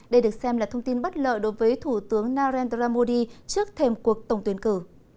đây được xem là thông tin bất lợi đối với thủ tướng narendra modi trước thềm cuộc tổng tuyển cử